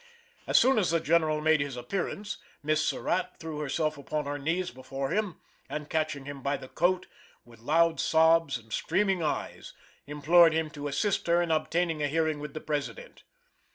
As soon as the general made his appearance, Miss Surratt threw herself upon her knees before him, and catching him by the coat, with loud sobs and streaming eyes, implored him to assist her in obtaining a hearing with the President.